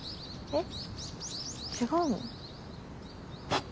えっ！？